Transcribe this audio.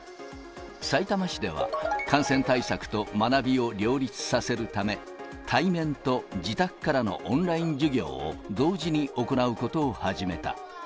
さいたま市では、感染対策と学びを両立させるため、対面と自宅からのオンライン授業を同時に行うことを始めた。